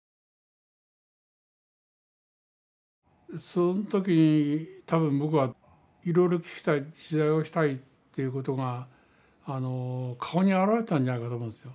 その時多分僕はいろいろ聞きたい取材をしたいということが顔に表れてたんじゃないかと思うんですよ。